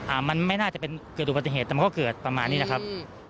มันไม่น่าจะเป็นเกิดอุบัติเหตุแต่มันก็เกิดประมาณนี้แหละครับอืม